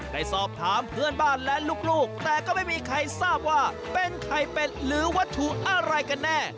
ได้สอบถามเพื่อนบ้านและลูกแต่ก็ไม่มีใครทราบว่าเป็นไข่เป็ดหรือวัตถุอะไรกันแน่